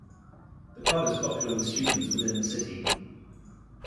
The pub is popular with students within the city.